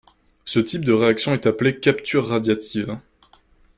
Ce type de réaction est appelée capture radiative.